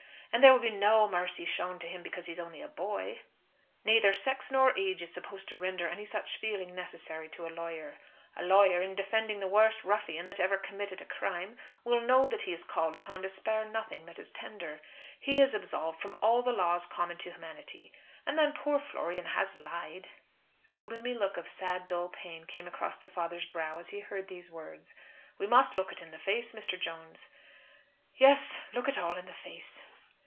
And there will be no mercy shown to him because he is only a boy. Neither sex nor age is supposed to render any such feeling necessary to a lawyer. A lawyer in defending the worst ruffian that ever committed a crime will know that he is called upon to spare nothing that is tender. He is absolved from all the laws common to humanity. And then poor Florian has lied." A gloomy look of sad, dull pain came across the father's brow as he heard these words. "We must look it in the face, Mr. Jones." "Yes, look it all in the face."